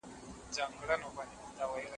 د خلکو په حافظه کې د اعتدال نښه پاتې شو.